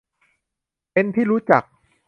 เป็นที่รู้จัก